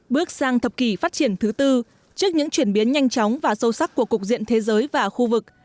bước sang thập kỷ phát triển thứ tư trước những chuyển biến nhanh chóng và sâu sắc của cục diện thế giới và khu vực